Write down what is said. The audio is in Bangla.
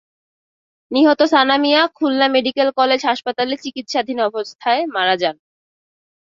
নিহত সানা মিঞা খুলনা মেডিকেল কলেজ হাসপাতালে চিকিৎসাধীন অবস্থায় মারা যান।